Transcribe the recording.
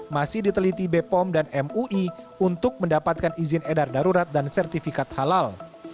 masih diteliti bepom dan mui untuk mendapatkan izin edar darurat dan sertifikat halal